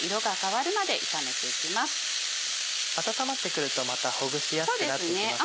温まってくるとまたほぐしやすくなってきますからね。